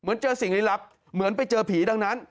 เหมือนเจอสิ่งลินลักษณ์เหมือนไปเจอผีดังนั้น